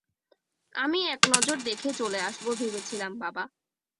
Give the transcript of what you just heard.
আমি একনজর দেখে চলে আসবো ভেবেছিলাম, বাবা!